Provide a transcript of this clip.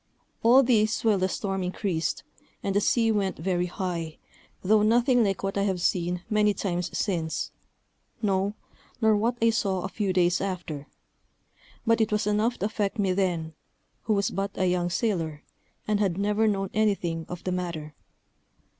All this while the storm increased, and the sea went very high, though nothing like what I have seen many times since; no, nor what I saw a few days after; but it was enough to affect me then, who was but a young sailor, and had never known anything of the matter.